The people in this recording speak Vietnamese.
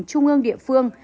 trung ương địa phương